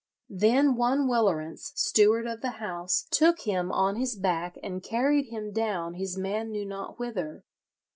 Then one Willerence, steward of the house, took him on his back and carried him down his man knew not whither.